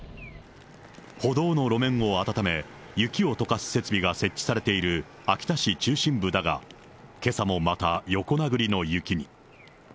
歩道の路面を暖め、雪をとかす設備が設置されている、秋田市中心部だが、けさもまた、横殴りの雪に。